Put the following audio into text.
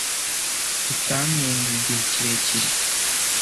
tutamwenyuye igihe kirekire